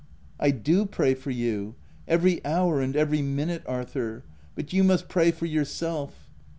" I do pray for you — every hour and every minute, Arthur ; but you must pray for your self."